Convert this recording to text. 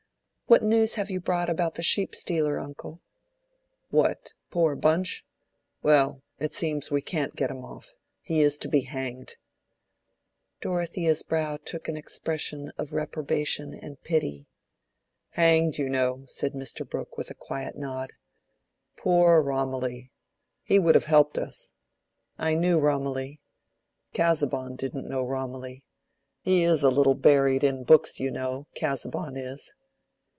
"What news have you brought about the sheep stealer, uncle?" "What, poor Bunch?—well, it seems we can't get him off—he is to be hanged." Dorothea's brow took an expression of reprobation and pity. "Hanged, you know," said Mr. Brooke, with a quiet nod. "Poor Romilly! he would have helped us. I knew Romilly. Casaubon didn't know Romilly. He is a little buried in books, you know, Casaubon is."